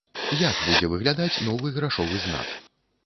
Як будзе выглядаць новы грашовы знак?